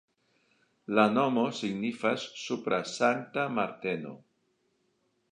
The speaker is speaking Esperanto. La nomo signifas supra Sankta Marteno.